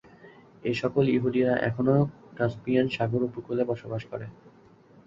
এসকল ইহুদিরা এখনও কাস্পিয়ান সাগর উপকূলে বসবাস করে।